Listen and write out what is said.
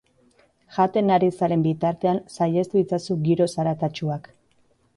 Jaten ari zaren bitartean saihestu itzazu giro zaratatsuak.